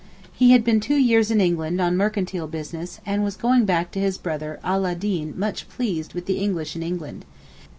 He had been two years in England on mercantile business and was going back to his brother Ala ed deen much pleased with the English in England.